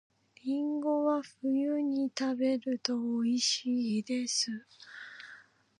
りんごは冬に食べると美味しいです